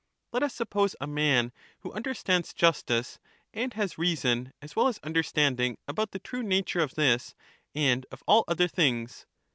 Let us suppose a man who understands justice, and has reason as well as understanding about the true nature of this and of all other things.